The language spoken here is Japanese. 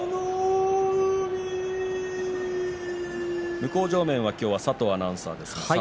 向正面は佐藤アナウンサーです。